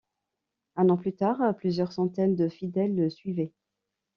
Un an plus tard, plusieurs centaines de fidèles le suivaient.